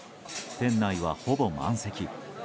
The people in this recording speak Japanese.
店内は、ほぼ満席。